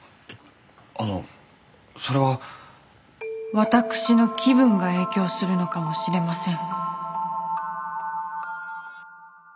私の気分が影響するのかもしれません。